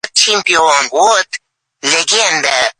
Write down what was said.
Kumanning o‘rniga yana bir nomzod paydo bo‘ldi